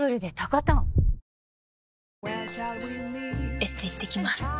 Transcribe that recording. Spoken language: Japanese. エステ行ってきます。